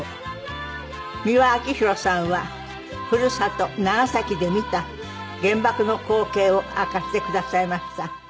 美輪明宏さんはふるさと長崎で見た原爆の光景を明かしてくださいました。